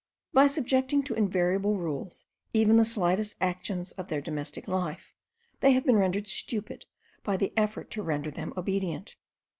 By subjecting to invariable rules even the slightest actions of their domestic life, they have been rendered stupid by the effort to render them obedient.